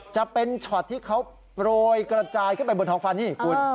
จะเป็นช็อตที่เขาโปรยกระจายขึ้นไปบนท้องฟันนี่คุณ